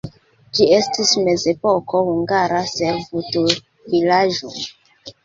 Ĝi estis mezepoko hungara servutulvilaĝo.